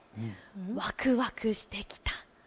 ワクワクしてきた。